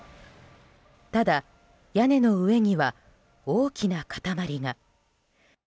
ただ、屋根の上には大きな塊が。